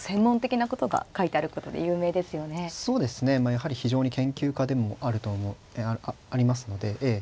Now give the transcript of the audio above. やはり非常に研究家でもありますのでええ